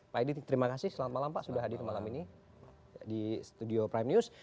pak edi terima kasih selamat malam pak sudah hadir malam ini di studio prime news